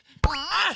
あっ！